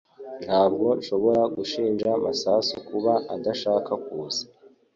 Ntabwo nshobora gushinja Masasu kuba adashaka kuza